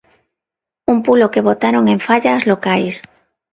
Un pulo que botaron en falla as locais.